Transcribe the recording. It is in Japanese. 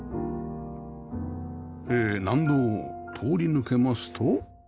え納戸を通り抜けますと